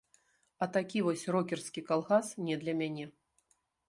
А такі вось рокерскі калгас не для мяне.